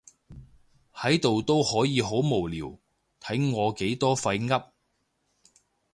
喺度都可以好無聊，睇我幾多廢噏